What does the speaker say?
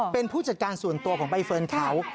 เป็นผู้จัดการส่วนตัวของใบเฟิร์นเขา